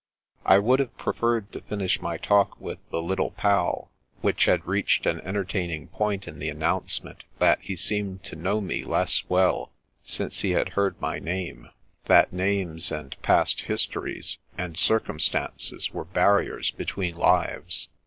I would have preferred to finish my talk with the Little Pal, which had reached an entertaining point in the announcement that he seemed to know me less well since he had heard my name — ^that names, and past histories, and circumstances were barriers be tween lives.